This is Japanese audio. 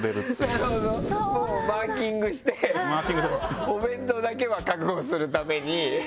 なるほどもうマーキングしてお弁当だけは確保するために。